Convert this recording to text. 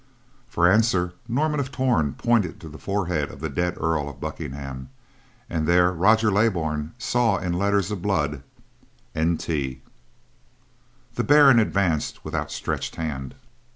For answer Norman of Torn pointed to the forehead of the dead Earl of Buckingham, and there Roger Leybourn saw, in letters of blood, NT. The Baron advanced with outstretched hand.